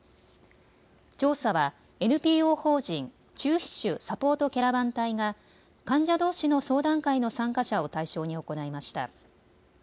調査はＮＰＯ法人中皮腫サポートキャラバン隊が患者どうしの相談会の参加者を対象に行いました。